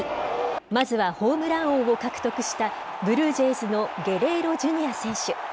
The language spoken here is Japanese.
まずはホームラン王を獲得した、ブルージェイズのゲレーロＪｒ．選手。